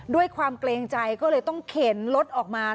ด้วยความเกรงใจก็เลยต้องเข็นรถออกมา